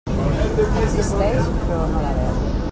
Existeix, però no la veu.